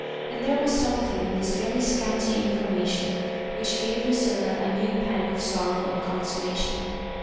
And there was something in this very scanty information which gave Lucil la a new pang of sorrow and consolation.